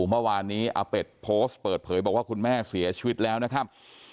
เมื่อวานนี้อาเป็ดโพสต์เปิดเผยบอกว่าคุณแม่เสียชีวิตแล้วนะครับ